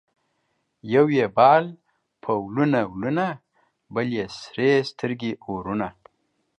یو یې بال په ولونه ولونه ـ بل یې سرې سترګې اورونه